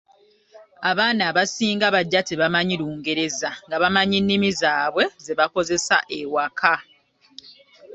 Abaana abasinga bajja tebamanyi Lungereza nga bamanyi nnimi zaabwe ze bakozesa ewaka.